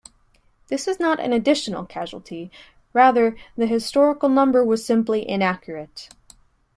This is not an additional casualty; rather the historical number was simply inaccurate.